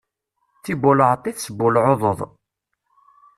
D tibbulɛeḍt i tesbbulɛuḍeḍ.